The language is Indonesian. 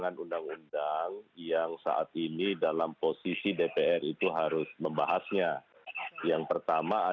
selamat malam kepada narsum semua